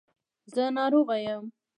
زه ناروغ یم